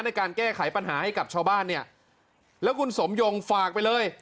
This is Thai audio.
ในการแก้ไขปัญหาให้กับชาวบ้านเนี่ยแล้วคุณสมยงฝากไปเลย